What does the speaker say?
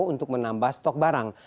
untuk menambah stok barang